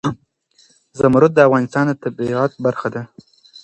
زمرد د افغانستان د طبیعت برخه ده.